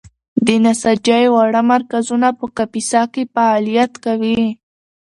د نساجۍ واړه مرکزونه په کاپیسا کې فعالیت کوي.